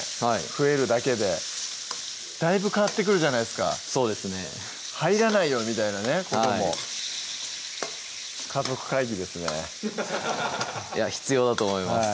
増えるだけでだいぶ変わってくるじゃないですかそうですね入らないよみたいなねことも家族会議ですねいや必要だと思います